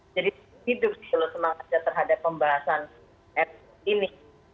jadi hidup seluruh semangatnya terhadap pembahasan ini